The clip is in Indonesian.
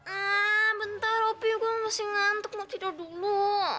ah bentar opi gue masih ngantuk mau tidur dulu